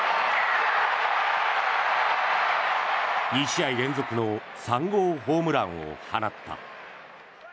２試合連続の３号ホームランを放った。